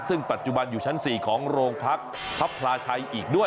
ซึ่งปัจจุบันอยู่ชั้น๔ของโรงพักพระพลาชัยอีกด้วย